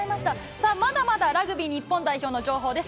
さあ、まだまだラグビー日本代表の情報です。